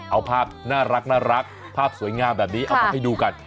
เอาภาพน่ารักภาพสวยงามแบบนี้เอามาให้ดูกัน